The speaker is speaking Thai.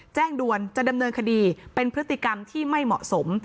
ด่วนจะดำเนินคดีเป็นพฤติกรรมที่ไม่เหมาะสม